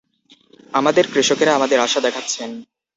আমাদের কৃষকেরা আমাদের আশা দেখাচ্ছেন।